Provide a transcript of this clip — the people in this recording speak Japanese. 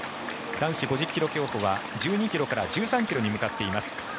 男子５０ｋｍ競歩は１２ｋｍから１３ｋｍに向かっています。